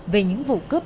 về những vụ cướp